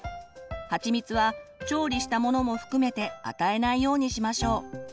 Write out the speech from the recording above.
はちみつは調理したものも含めて与えないようにしましょう。